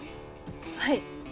はい。